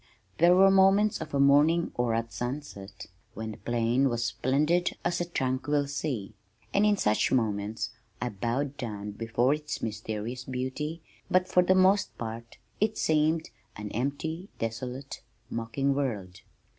There were moments of a morning or at sunset when the plain was splendid as a tranquil sea, and in such moments I bowed down before its mysterious beauty but for the most part it seemed an empty, desolate, mocking world.